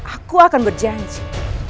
aku akan berjanji